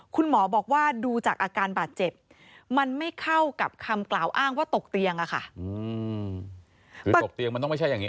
คุณหมอบอกว่าดูจากอาการบาดเจ็บมันไม่เข้ากับคำกล่าวอ้างว่าตกเตียงอะค่ะ